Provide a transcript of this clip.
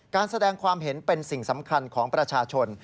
การแสดงความเห็นเป็นสิ่งสำคัญของประชาชน